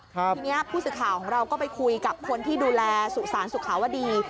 ทีนี้ผู้สื่อข่าวของเราก็ไปคุยกับคนที่ดูแลสุสานสุขาวดี